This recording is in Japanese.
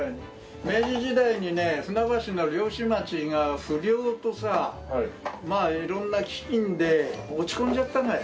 明治時代にね船橋の漁師町が不漁とさ色んな飢饉で落ち込んじゃったのよ。